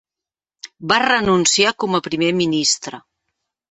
Va renunciar com a primer ministre.